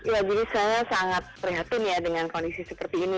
ya jadi saya sangat terhati dengan kondisi seperti ini